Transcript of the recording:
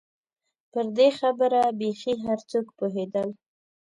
پر دې خبره بېخي هر څوک پوهېدل.